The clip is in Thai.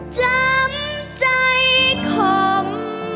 จำใจขม